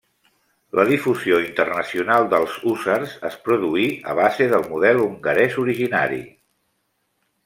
La difusió internacional dels hússars es produí a base del model hongarès originari.